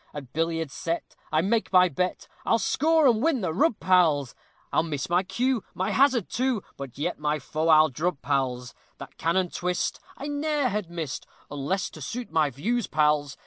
At billiards set, I make my bet, I'll score and win the rub, pals; I miss my cue, my hazard, too, But yet my foe I'll drub, pals. That cannon twist, I ne'er had missed, Unless to suit my views, pals.